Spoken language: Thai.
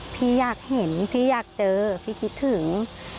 พี่อยากเห็นพี่อยากเจอพี่คิดถึง